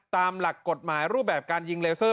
ตามหลักกฎหมายรูปแบบการยิงเลเซอร์